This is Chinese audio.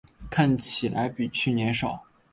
看起来比去年少